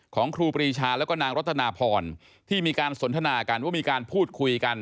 ครูปรีชาแล้วก็นางรัตนาพรที่มีการสนทนากันว่ามีการพูดคุยกัน